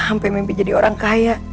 sampai mimpi jadi orang kaya